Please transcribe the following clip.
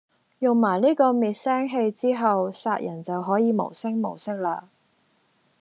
用埋呢個滅聲器之後，殺人就可以無聲無息喇